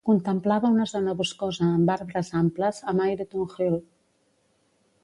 Contemplava una zona boscosa amb arbres amples a Myreton Hill.